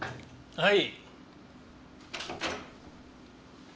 はい？